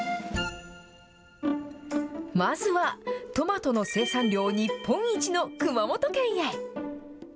まずは、トマトの生産量日本一の熊本県へ。